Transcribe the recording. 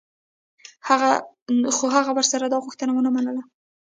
خو هغه ورسره دا غوښتنه و نه منله.